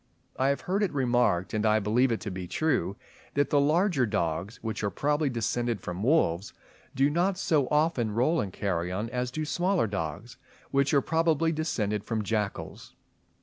I have heard it remarked, and I believe it to be true, that the larger dogs, which are probably descended from wolves, do not so often roll in carrion as do smaller dogs, which are probably descended from jackals.